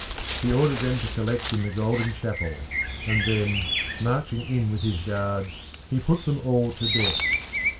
He ordered them to collect in the Golden Chapel, and then, marching in with his guards, he put them all to death.